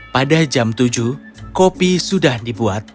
pada jam tujuh kopi sudah dibuat